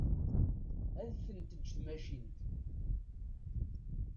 Ad ten-teǧǧ tmacint.